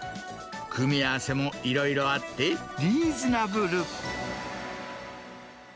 組み合わせもいろいろあって、リーズナブル。